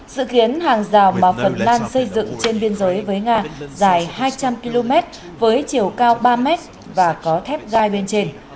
sự khiến hàng rào mà phần lan xây dựng trên biên giới với nga dài hai trăm linh km với chiều cao ba m và có thép gai bên trên